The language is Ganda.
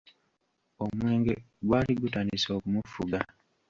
Omwenge gwali gutandise okumufuga.